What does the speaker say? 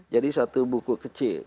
jadi satu buku kecil